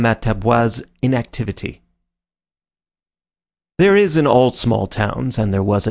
BAMATABOIS'S INACTIVITY There is in all small towns, and there was at M.